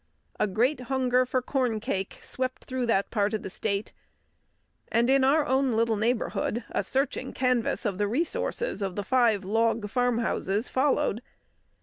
A great hunger for corncake swept through that part of the state; and in our own little neighbourhood a searching canvass of the resources of the five log farm houses followed.